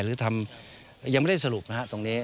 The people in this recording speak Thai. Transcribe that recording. หรือทำยังไม่ได้สรุปนะฮะตรงนี้